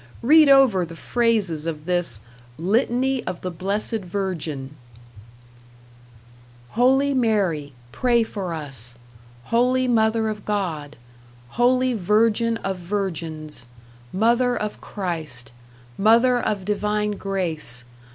Read over the phrases of this "Litany of the Blessed Virgin": Holy Mary, Pray for us. Holy Mother of God. Holy Virgin of Virgins. Mother of Christ. Mother of divine grace.